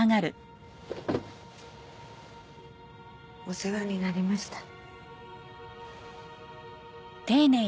お世話になりました。